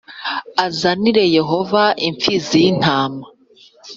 azanire Yehova imfizi y intama